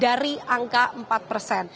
dari angka empat persen